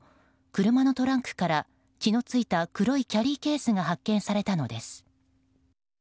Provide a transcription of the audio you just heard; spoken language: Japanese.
車のトランクから血の付いた黒いキャリーケースが発見されたのです。